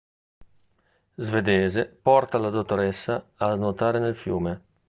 Svedese porta la Dottoressa a nuotare nel fiume.